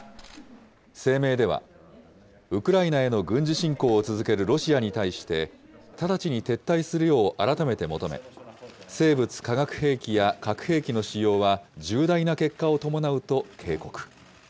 声明では、ウクライナへの軍事侵攻を続けるロシアに対して、直ちに撤退するよう改めて求め、生物・化学兵器や核兵器の使用は重大な結果を伴うと警告。